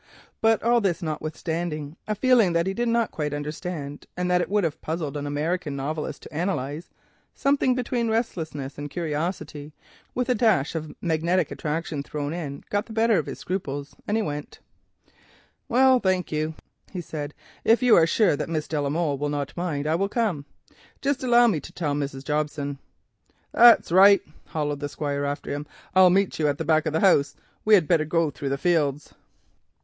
But all this notwithstanding, a feeling that he did not quite understand, and which it would have puzzled even an American novelist to analyse—something between restlessness and curiosity, with a dash of magnetic attraction thrown in—got the better of his scruples, and he accepted. "Well, thank you," he said, "if you are sure that Miss de la Molle will not mind, I will come. Just allow me to tell Mrs. Jobson." "That's right," halloaed the Squire after him, "I'll meet you at the back of the house. We had better go through the fields."